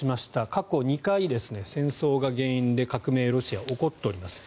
過去２回、戦争が原因でロシアは革命が起こっています。